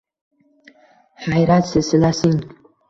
Hayrat silsilasing